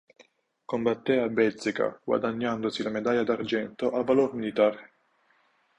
Combatté a Bezzecca guadagnandosi la medaglia d'argento al valor militare.